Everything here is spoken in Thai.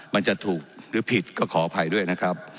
มันจะถูกหรือผิดก็ขออภัยด้วยนะครับ